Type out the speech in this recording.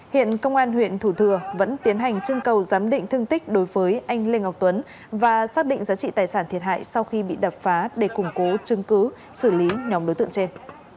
hiện công an huyện thủ thừa vẫn tiến hành trưng cầu giám định thương tích đối với anh lê ngọc tuấn và xác định giá trị tài sản thiệt hại sau khi bị đập phá để củng cố chứng cứ xử lý nhóm đối tượng trên